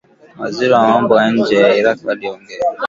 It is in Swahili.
Waziri wa mambo ya nje wa Iraq aliongea